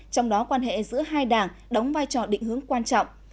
trong đó quan hệ giữa hai đảng đóng vai trò định hướng quan trọng